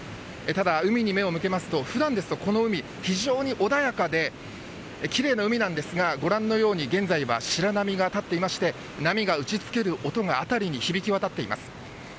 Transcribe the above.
ただ、海に目を向けますと普段ですと、この海非常に穏やかで奇麗な海なんですがご覧のように白波が立っていまして波が打ち付ける音があたりに響き渡っています。